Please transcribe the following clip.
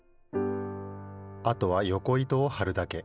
あとはよこ糸をはるだけ。